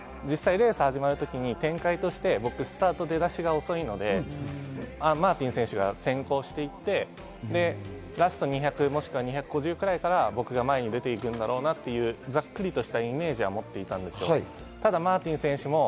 こいでるときは考えてないですけれども、レース始まる時に展開として僕、スタートの出だしが遅いので、マーティン選手が先行していってラスト２００もしくは２５０くらいから僕が前に出て行くんだろうなと、ざっくりとしたイメージは持っていたんです。